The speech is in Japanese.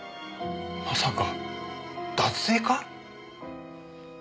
まさか脱税か？